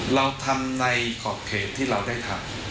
เราทำในขอบเขตที่เราได้ทำ